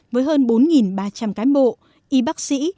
với hơn bốn ba trăm linh cán bộ y bác sĩ